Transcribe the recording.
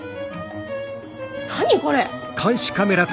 何これ！